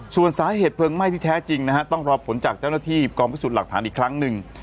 ส่วนสาเหตุเพลิงไหม้ที่แท้จริงนะฮะต้องรอผลจากเจ้าหน้าที่กองพิสูจน์หลักฐานอีกครั้งหนึ่ง